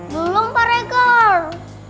belum pak regar